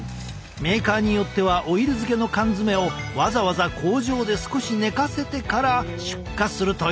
メーカーによってはオイル漬けの缶詰をわざわざ工場で少し寝かせてから出荷するという。